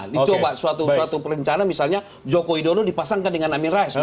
dicoba suatu perencana misalnya joko widodo dipasangkan dengan amin rais